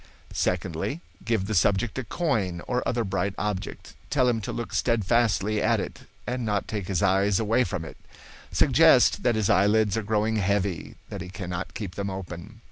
"Secondly, give the subject a coin or other bright object. Tell him to look steadfastly at it and not take his eyes away from it. Suggest that his eyelids are growing heavy, that he cannot keep them open.